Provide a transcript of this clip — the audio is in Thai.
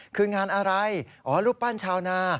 คืองานอะไรอ๋อรูปปั้นชาวนา